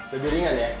lebih ringan ya